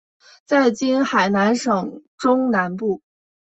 在今海南省中南部。